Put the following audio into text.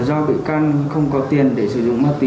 do vị can không có tiền để sử dụng mát tí